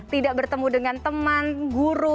tidak bertemu dengan teman guru